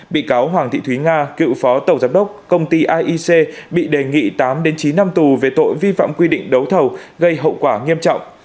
bị cáo hoàng thị thúy nga cựu phó tổng giám đốc công ty aic bị đề nghị tám chín năm tù về tội vi phạm quy định đấu thầu gây hậu quả nghiêm trọng